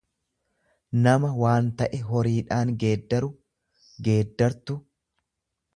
nama waan ta'e horiidhaan geeddaru, geeddartu.